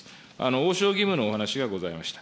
応召義務のお話がございました。